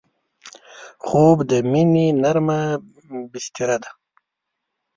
خوب د مینې نرمه بستر ده